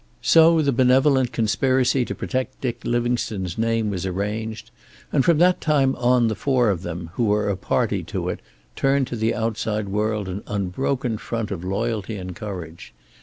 So the benevolent conspiracy to protect Dick Livingstone's name was arranged, and from that time on the four of them who were a party to it turned to the outside world an unbroken front of loyalty and courage.